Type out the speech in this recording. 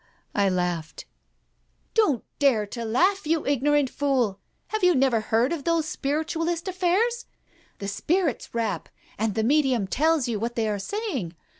" I laughed. "Don't dare to laugh, you ignorant fool. Have you never heard of those spiritualist affairs? The spirits rap, and the medium tells you what they are saying.